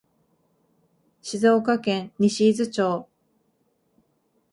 静岡県西伊豆町